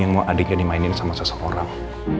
yang mau adiknya dimainin sama seseorang